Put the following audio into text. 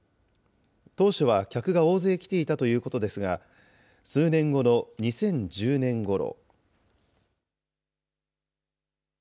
当初は客が大勢来ていたということですが、数年後の２０１０年ごろ。